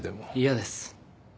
嫌です。